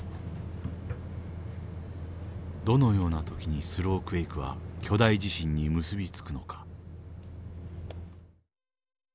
どのような時にスロークエイクは巨大地震に結び付くのか。